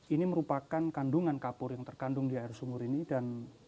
ini merupakan kandungan kapur yang terkandung di air sumur ini dan